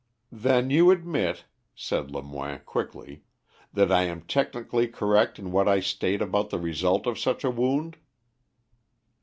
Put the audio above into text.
"Then you admit," said Lemoine, quickly, "that I am technically correct in what I state about the result of such a wound."